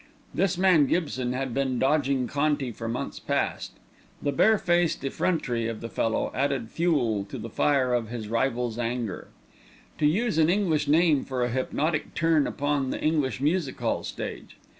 This man Gibson had been dogging Conti for months past. The barefaced effrontery of the fellow added fuel to the fire of his rival's anger. To use an English name for a hypnotic turn upon the English music hall stage!